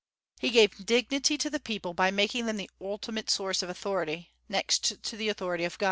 He gave dignity to the people by making them the ultimate source of authority, next to the authority of God.